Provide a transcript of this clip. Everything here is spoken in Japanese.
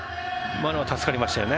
今のは助かりましたよね。